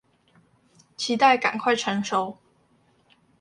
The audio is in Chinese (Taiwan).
期待趕快成熟